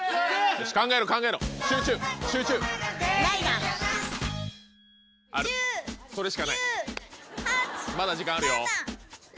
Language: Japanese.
よし考えろ考えろ集中集中ないなあるそれしかないまだ時間あるよ